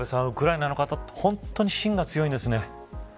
ウクライナの方は本当にしんが強いんですね。